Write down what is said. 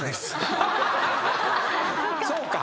そうか。